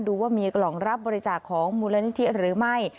ดูว่ามีกล่องรับบริจาคของมูลนิธิหรือไม่